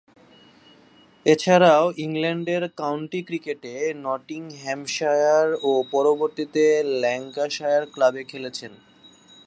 এছাড়াও ইংল্যান্ডের কাউন্টি ক্রিকেটে নটিংহ্যামশায়ার ও পরবর্তীতে ল্যাঙ্কাশায়ার ক্লাবে খেলেছেন।